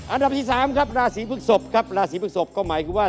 อันดับที่๓ครับราศีพฤกษบครับราศีพฤศพก็หมายคือว่า